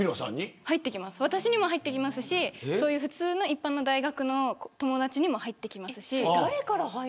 私にも入ってきますし一般の大学の友達にも入ってきますし。